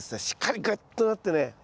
しっかりぐっとなってね